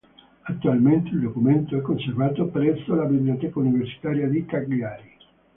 Attualmente il documento è conservato presso la Biblioteca universitaria di Cagliari.